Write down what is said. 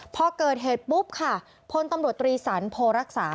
พอเกิดเหตุปุ๊บค่ะพลตำรวจตรีสันโพรักษา